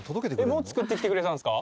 もう作ってきてくれたんですか？